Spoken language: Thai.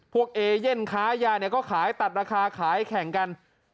เอเย่นค้ายาเนี่ยก็ขายตัดราคาขายแข่งกัน